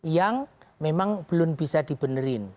yang memang belum bisa dibenerin